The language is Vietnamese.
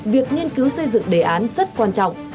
việc nghiên cứu xây dựng đề án rất quan trọng